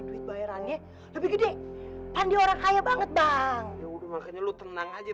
duit bayarannya lebih gede pandi orang kaya banget bang ya udah makanya lu tenang aja